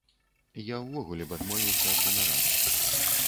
Я ўвогуле б адмовіўся ад ганарару.